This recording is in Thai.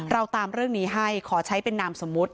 เราตามเรื่องนี้ให้ขอใช้เป็นนามสมมุติ